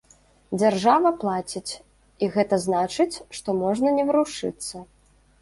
Дзяржава плаціць, і гэта значыць, што можна не варушыцца.